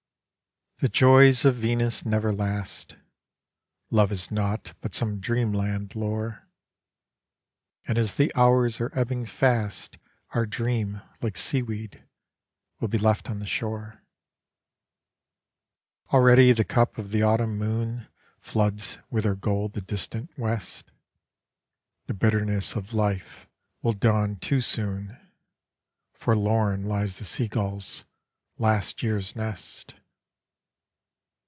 The Joys of Venus never last, Love Is naught but some dreamland lore, And as the hours are ebbing fast Our dream, like seaweed, will be left on the shore; Already the cup of the autumn moon Floods with her gold the distant West, The bitterness of life will dawn too soon, Forlorn lies the sea gull's last year's nest.